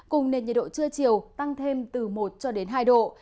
cùng nền nhiệt độ trưa chiều tăng thêm từ một cho đến hai độ